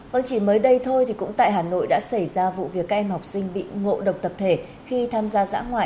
vâng chỉ mới đây thôi thì cũng tại hà nội đã xảy ra vụ việc các em học sinh bị ngộ độc tập thể khi tham gia dã ngoại